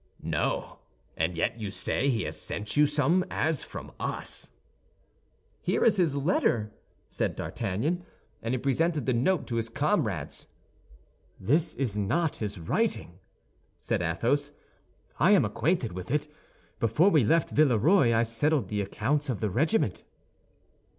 "No! And yet you say he has sent you some as from us?" "Here is his letter," said D'Artagnan, and he presented the note to his comrades. "This is not his writing!" said Athos. "I am acquainted with it; before we left Villeroy I settled the accounts of the regiment."